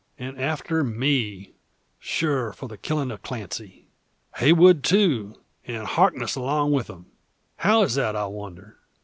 And after me, sure, for the killing of Clancy! Heywood, too, and Harkness along with them! How is that, I wonder?